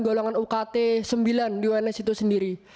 golongan ukt sembilan di uns itu sendiri